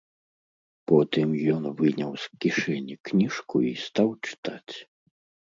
Потым ён выняў з кішэні кніжку і стаў чытаць.